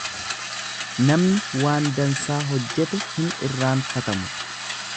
Namni waan dansaa hojjete hin irraanfatamu.